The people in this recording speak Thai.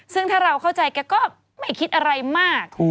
ซึ่งถ้าเราเข้าใจแกก็ไม่คิดอะไรมาก